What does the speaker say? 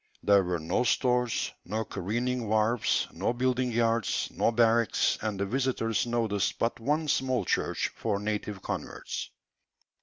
There were no stores, no careening wharves, no building yards, no barracks, and the visitors noticed but one small church for native converts.